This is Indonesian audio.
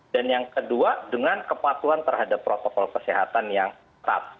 dan yang kedua dengan kepatuhan terhadap protokol kesehatan yang ketat